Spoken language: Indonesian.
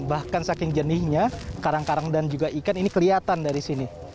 bahkan saking jenihnya karang karang dan juga ikan ini kelihatan dari sini